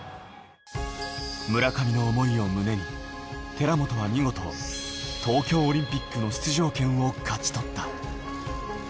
村上の思いを胸に、寺本は見事東京オリンピックの出場権を勝ち取った。